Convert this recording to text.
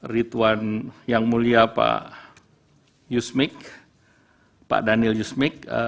ridwan yang mulia pak yusmik pak daniel yusmik